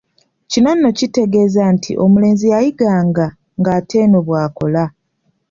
Kino nno kitegeeza nti omulenzi yayiganga ng’ate eno bw’akola.